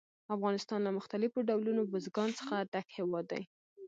افغانستان له مختلفو ډولونو بزګانو څخه ډک هېواد دی.